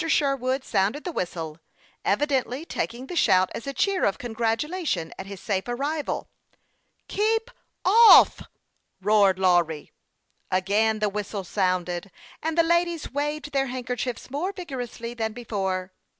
Sherwood sounded the whistle, evidently tak ing the shout as a cheer of congratulation at his safe arrival. " Keep off !" roared Lawry, using his hands as a speaking trumpet. Again ^the whistle sounded, and the ladies waved their handkerchiefs more vigorously than before.